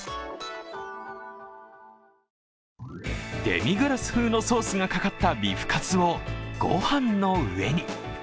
デミグラス風のソースがかかったビフカツをごはんの上に。